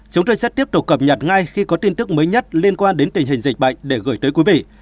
chúng tôi sẽ tiếp tục cập nhật ngay khi có tin tức mới nhất liên quan đến tình hình dịch bệnh để gửi tới quý vị